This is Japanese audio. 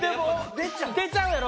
出ちゃうやろ？